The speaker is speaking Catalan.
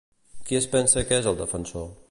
Qui es pensa que és el defensor?